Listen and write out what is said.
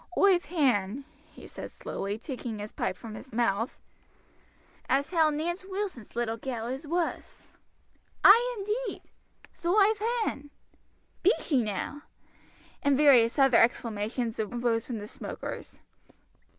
"Oive heern," he said slowly, taking his pipe from his mouth, "as how Nance Wilson's little gal is wuss." "Ay, indeed!" "So oi've heern;" "Be she now?" and various other exclamations arose from the smokers.